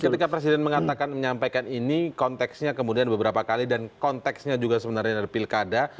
ketika presiden menyampaikan ini konteksnya kemudian beberapa kali dan konteksnya juga sebenarnya dari pilkada